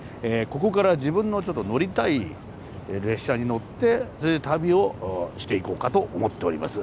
ここから自分のちょっと乗りたい列車に乗ってそれで旅をしていこうかと思っております。